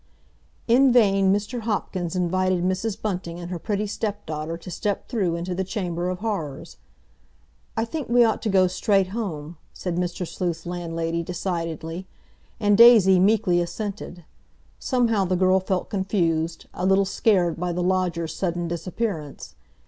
In vain Mr. Hopkins invited Mrs. Bunting and her pretty stepdaughter to step through into the Chamber of Horrors. "I think we ought to go straight home," said Mr. Sleuth's landlady decidedly. And Daisy meekly assented. Somehow the girl felt confused, a little scared by the lodger's sudden disappearance.